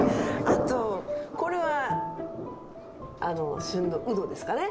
あとこれは旬のウドですかね。